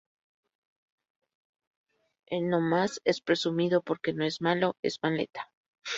Él nomás es presumido porque no es malo, es maleta.